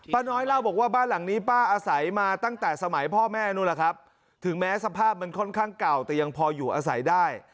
น้อยเล่าบอกว่าบ้านหลังนี้ป้าอาศัยมาตั้งแต่สมัยพ่อแม่นู้นแหละครับถึงแม้สภาพมันค่อนข้างเก่าแต่ยังพออยู่อาศัยได้